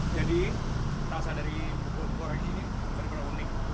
jadi rasa dari bubur goreng ini benar benar unik